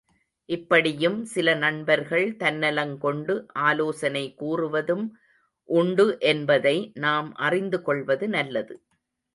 இப்படியும் சில நண்பர்கள் தன்னலங்கொண்டு, ஆலோசனை கூறுவதும் உண்டு என்பதை நாம் அறிந்து கொள்வது நல்லது.